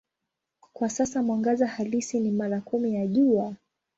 Kwa sasa mwangaza halisi ni mara kumi ya Jua.